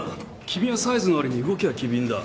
君はサイズの割に動きは機敏だ。